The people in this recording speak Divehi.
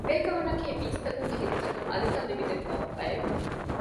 އެ ބޭކަލުންނަކީ މީސްތަކުންގެ ހިތްތަކަށް އަލިކަން ލިއްބައިދެއްވާ ބަޔެއް